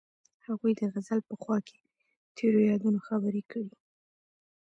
هغوی د غزل په خوا کې تیرو یادونو خبرې کړې.